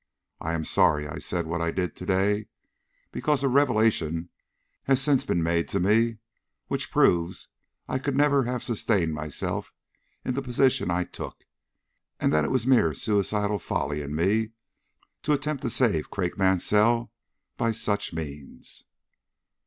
I am sorry I said what I did to day, because a revelation has since been made to me, which proves I could never have sustained myself in the position I took, and that it was mere suicidal folly in me to attempt to save Craik Mansell by such means."